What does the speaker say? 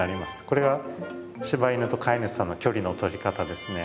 これは柴犬と飼い主さんの距離のとり方ですね。